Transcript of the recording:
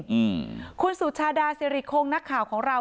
อืมคุณสุชาดาสิริคงนักข่าวของเรา